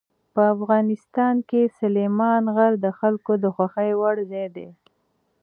په افغانستان کې سلیمان غر د خلکو د خوښې وړ ځای دی.